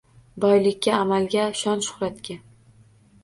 Boylikka… Amalga ham… Shon-shuhratga…